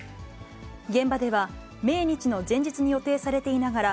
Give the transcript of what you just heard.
現場では、命日の前日に予定されていながら、